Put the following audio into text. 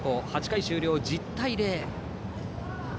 ８回終了、１０対０。